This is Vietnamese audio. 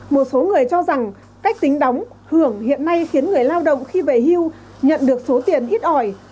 một số người cho rằng cách tính đóng hưởng hiện nay khiến người lao động khi về hưu nhận được số tiền ít ỏi